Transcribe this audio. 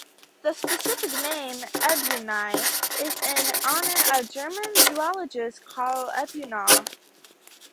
The specific name, "ebenaui", is in honor of German zoologist Karl Ebenau.